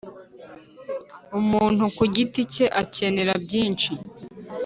umuntu ku giti cye akenera byinshi